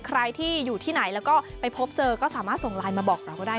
ใครที่อยู่ที่ไหนแล้วก็ไปพบเจอก็สามารถส่งไลน์มาบอกเราก็ได้